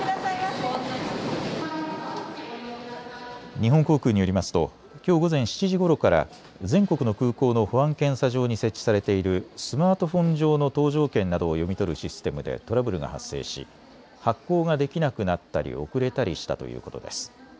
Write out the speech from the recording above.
日本航空によりますときょう午前７時ごろから全国の空港の保安検査場に設置されているスマートフォン上の搭乗券などを読み取るシステムでトラブルが発生し発行ができなくなったり遅れたりしたということです。